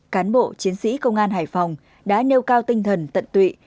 cán bộ chiến sĩ công an hải phòng đã nêu cao tinh thần tận tụy